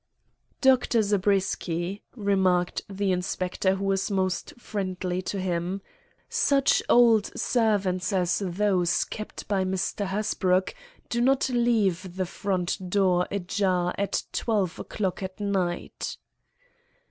"Dr. Zabriskie," remarked the Inspector who was most friendly to him, "such old servants as those kept by Mr. Hasbrouck do not leave the front door ajar at twelve o'clock at night."